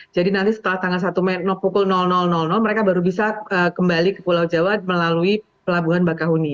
jadi nanti setelah tanggal satu mei pukul mereka baru bisa kembali ke pulau jawa melalui pelabuhan bakahuni